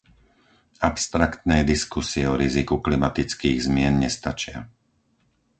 Abstraktné diskusie o riziku klimatických zmien nestačia.